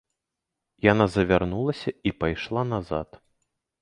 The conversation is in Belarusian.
Яна завярнулася і пайшла назад.